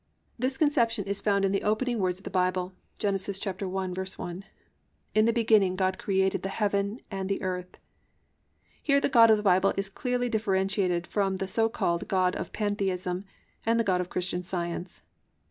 This conception is found in the opening words of the Bible, Gen. 1:1: +"In the beginning God created the heaven and the earth."+ Here the God of the Bible is clearly differentiated from the so called God of Pantheism, and the God of Christian Science.